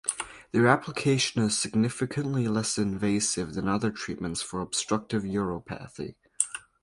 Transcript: Their application is significantly less invasive than other treatments for obstructive uropathy.